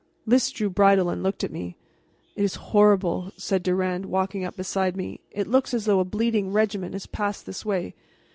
Lys drew bridle and looked at me. "It is horrible!" said Durand, walking up beside me; "it looks as though a bleeding regiment had passed this way.